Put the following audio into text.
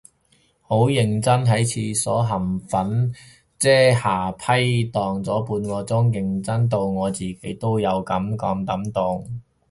好認真喺廁所冚粉遮瑕批蕩咗半個鐘，認真到我自己都有啲感動